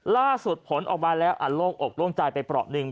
ล่าสุดผลออกมาแล้วอัลโลกอกลงใจไปปรอกหนึ่ง